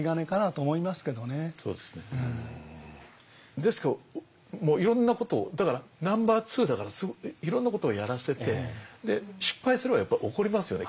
ですからもういろんなことをだからナンバー２だからいろんなことをやらせてで失敗すればやっぱり怒りますよね